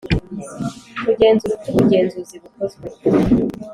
Kugenzura uko ubugenzuzi bukozwe